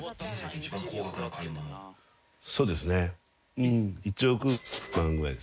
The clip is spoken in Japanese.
そうですね。